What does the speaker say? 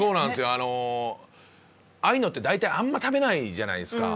あのああいうのって大体あんま食べないじゃないですか。